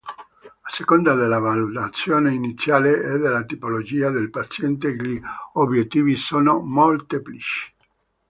A seconda della valutazione iniziale e della tipologia del paziente gli obiettivi sono molteplici.